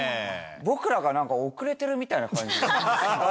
僕らがなんか遅れてるみたいな感じ。